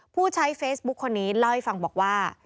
ผู้ใช้เฟซบุ๊คคนนี้เล่าให้ฟังบอกว่า